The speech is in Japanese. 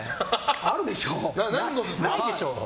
あるでしょ！